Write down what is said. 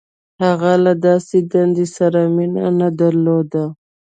• هغه له داسې دندې سره مینه نهدرلوده.